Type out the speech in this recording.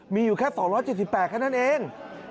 มีอยู่แค่๒๗๘แค่นั้นเอง